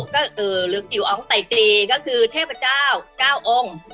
ก็คือหรือกิวองไตตีก็คือเทพเจ้า๙องค์